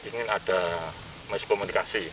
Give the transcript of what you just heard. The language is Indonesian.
saya ingin ada mahasiswa mendekati